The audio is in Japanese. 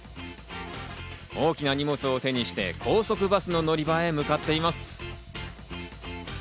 大きな荷物を手にして、高速バスの乗り場へ向かっています。